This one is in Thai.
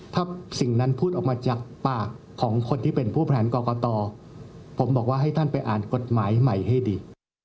ถ้าสิ่งนั้นพูดออกมาจากปากของคนที่เป็นผู้แผนกรกตผมบอกว่าให้ท่านไปอ่านกฎหมายใหม่ให้ดี